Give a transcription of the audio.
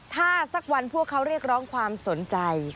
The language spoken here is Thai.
ถ้าสักวันพวกเขาเรียกร้องความสนใจ